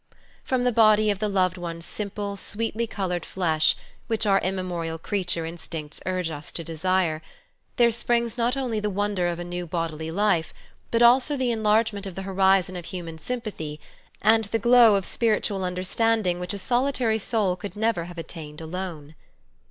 From the body of the loved one's simple, sweetly coloured flesh, which our immemorial creature in stincts urge us to desire, there springs not only the wonder ofa new bodily life, but also the enlargement of the horizon of human sympathy and the glow of spiritual understanding which a solitary soul could never have attained alone.